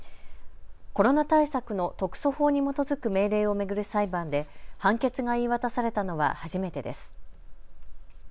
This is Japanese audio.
コロナ対策の特措法に基づく命令を巡る裁判で判決が言い渡されたのは初めてです。